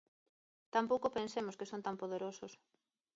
Tampouco pensemos que son tan poderosos.